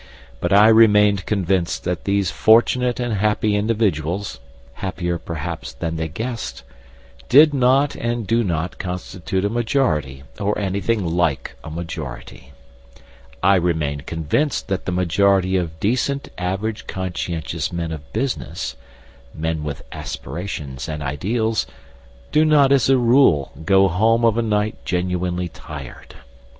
But I remain convinced that these fortunate and happy individuals (happier perhaps than they guessed) did not and do not constitute a majority, or anything like a majority. I remain convinced that the majority of decent average conscientious men of business (men with aspirations and ideals) do not as a rule go home of a night genuinely tired.